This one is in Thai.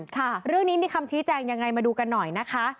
เรื่องนี้มีคำชี้แจงยังไงมาดูกันหน่อยนะคะ